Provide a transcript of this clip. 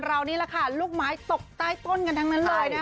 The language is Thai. นี่แหละค่ะลูกไม้ตกใต้ต้นกันทั้งนั้นเลยนะคะ